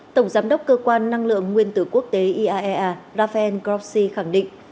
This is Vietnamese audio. tổng giám đốc cơ quan năng lượng nguyên tử quốc tế iaea rafael grossi khẳng định